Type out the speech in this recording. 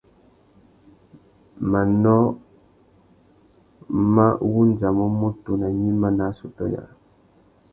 Manô mà wandjamú mutu nà gnïma nà assôtô yâā.